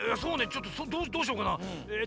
ちょっとどうしようかなえと。